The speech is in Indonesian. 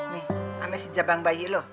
nih ame si jabang bayi lo